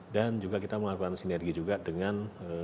dan juga kita melakukan sinergi juga dengan